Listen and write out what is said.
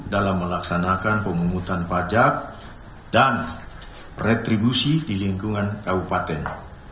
dalam melaksanakan pemungutan pajak dan retribusi di lingkungan kabupaten